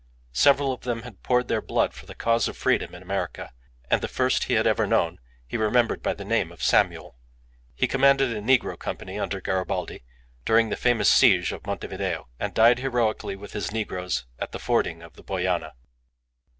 Several of them had poured their blood for the cause of freedom in America, and the first he had ever known he remembered by the name of Samuel; he commanded a negro company under Garibaldi, during the famous siege of Montevideo, and died heroically with his negroes at the fording of the Boyana.